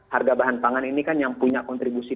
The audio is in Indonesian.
harga bahan pangan ini kan yang punya kontribusi